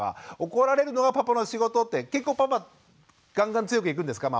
怒られるのはパパの仕事って結構パパガンガン強くいくんですかママは。